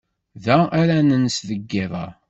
Da ara nens deg yiḍ-a.